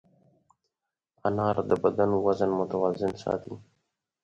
انار د بدن وزن متوازن ساتي.